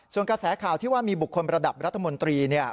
ส่วนกระแสข่าวที่ว่ามีบุคคลระดับรัฐมนตรีเนี่ย